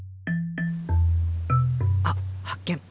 あっ発見！